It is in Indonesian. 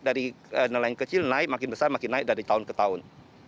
dari nelayan kecil naik makin besar makin naik dari tahun ke tahun